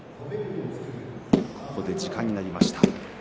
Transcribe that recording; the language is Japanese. ここで時間になりました。